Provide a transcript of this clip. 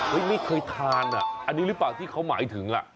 ไม่เคยทานอ่ะอันนี้หรือเปล่าที่เขาหมายถึง